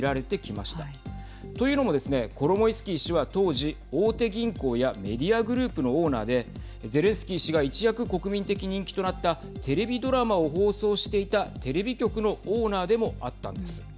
というのもですねコロモイスキー氏は当時大手銀行やメディアグループのオーナーでゼレンスキー氏が一躍国民的人気となったテレビドラマを放送していたテレビ局のオーナーでもあったんです。